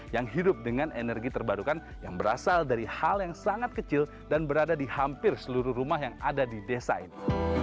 yang hidup dengan energi terbarukan yang berasal dari hal yang sangat kecil dan berada di hampir seluruh rumah yang ada di desa ini